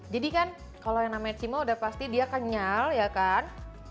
jadi kan kalau yang namanya cimol udah pasti dia kenyal ya kan